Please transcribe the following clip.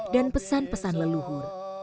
dan pesan pesan leluhur